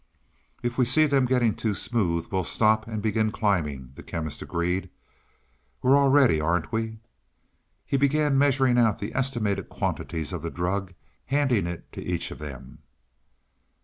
"If we see them getting too smooth, we'll stop and begin climbing," the Chemist agreed. "We're all ready, aren't we?" He began measuring out the estimated quantities of the drug, handing it to each of them.